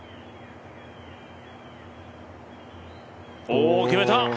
お、決めた。